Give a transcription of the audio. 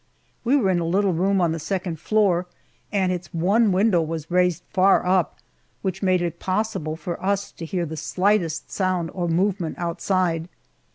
We were in a little room on the second floor, and its one window was raised far up, which made it possible for us to hear the slightest sound or movement outside.